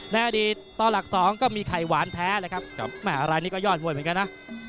ในอดีตต่อหลัก๒ก็มีไข่หวานแท้เลยครับแม่รายนี้ก็ยอดมวยเหมือนกันนะ